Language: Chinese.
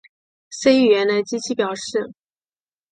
C 语言的机器表示